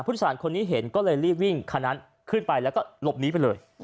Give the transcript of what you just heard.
ผู้โดยสารคนนี้เห็นก็เลยรีบวิ่งคันนั้นขึ้นไปแล้วก็หลบหนีไปเลย